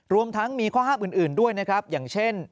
รวมทั้งมีข้อห้ามอื่นด้วยนะครับอย่างเช่น